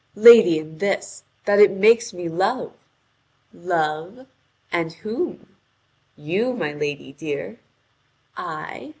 "Lady, in this: that it makes me love." "Love? And whom?" "You, my lady dear." "I?"